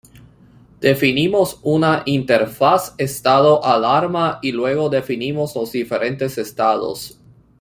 Definimos una interfaz Estado_Alarma, y luego definimos los diferentes estados.